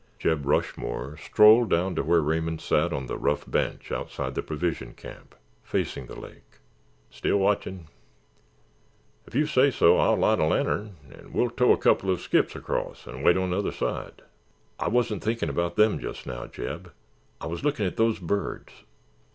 Jeb Rushmore strolled down to where Raymond sat on the rough bench outside the provision cabin, facing the lake. "Still watchin'? If yew say so, I'll light a lantern and we'll tow a couple uv skiffs across and wait on 'tother side." "I wasn't thinking about them just now, Jeb; I was looking at those birds."